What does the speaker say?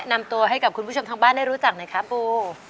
นำตัวให้กับคุณผู้ชมทางบ้านได้รู้จักหน่อยครับปู